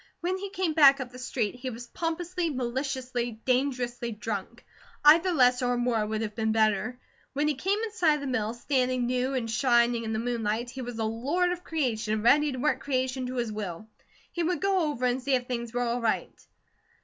When he came back up the street, he was pompously, maliciously, dangerously drunk. Either less or more would have been better. When he came in sight of the mill, standing new and shining in the moonlight, he was a lord of creation, ready to work creation to his will. He would go over and see if things were all right.